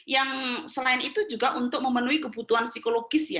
yang selain itu juga untuk memenuhi kebutuhan psikologis ya